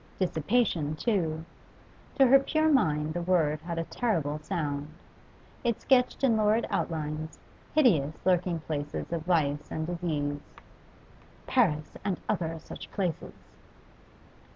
'Dissipation' too; to her pure mind the word had a terrible sound; it sketched in lurid outlines hideous lurking places of vice and disease. 'Paris and other such places.